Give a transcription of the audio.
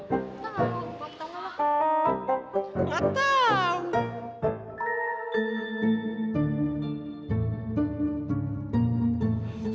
gak tau mama